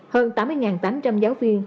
hơn tám mươi tám trăm linh giáo viên